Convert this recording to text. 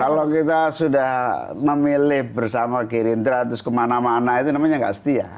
kalau kita sudah memilih bersama gerindra terus kemana mana itu namanya nggak setia